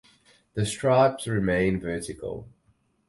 The stripes remain vertical.